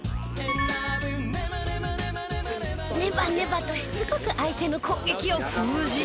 ネバネバとしつこく相手の攻撃を封じ。